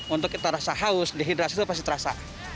untuk kita rasa haus dehidrasi itu pasti terasa